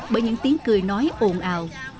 bởi những tiếng cười nói ồn ào